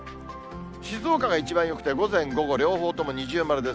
静岡が一番よくて、午前、午後、両方とも二重丸です。